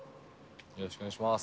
よろしくお願いします。